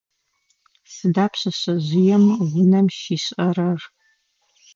Сыда пшъэшъэжъыем унэм щишӏэрэр?